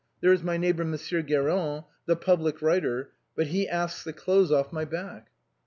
There is my neighbor Monsieur Guérin, the public writer, but he asks the clothes off my back."